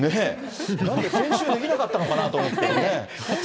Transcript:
なんで今週できなかったのかなと思って。